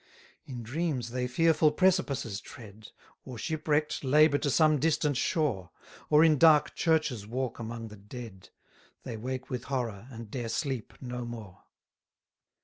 71 In dreams they fearful precipices tread: Or, shipwreck'd, labour to some distant shore: Or in dark churches walk among the dead; They wake with horror, and dare sleep no more.